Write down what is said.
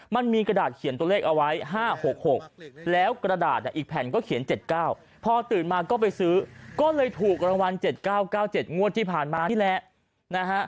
มันมีกระดาษเขียนตัวเลขเอาไว้๕๖๖แล้วกระดาษอีกแผ่นก็เขียน๗๙พอตื่นมาก็ไปซื้อก็เลยถูกรางวัล๗๙๙๗งวดที่ผ่านมานี่แหละนะฮะ